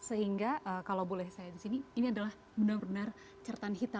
sehingga kalau boleh saya disini ini adalah benar benar catatan hitam